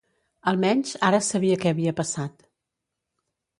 Almenys, ara sabia què havia passat.